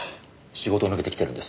仕事を抜けて来てるんです。